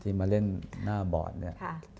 ที่มาเล่นหน้าบอร์ดเนี้ยครับ